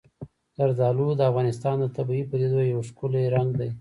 زردالو د افغانستان د طبیعي پدیدو یو ښکلی رنګ دی.